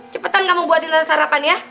cepetan kamu buatin tante sarapan ya